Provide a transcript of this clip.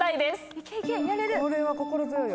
これは心強いよ。